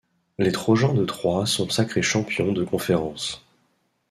Les Trojans de Troy sont sacrés champions de conférence.